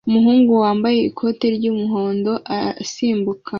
Umuhungu wambaye ikoti ry'umuhondo asimbuka